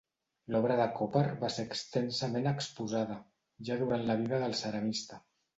L'obra de Coper va ser extensament exposada, ja durant la vida del ceramista.